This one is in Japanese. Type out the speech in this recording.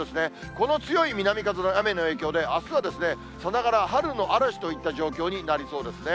この強い南風の雨の影響であすは、さながら春の嵐といった状況になりそうですね。